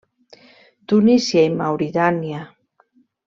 Tunísia i Mauritània.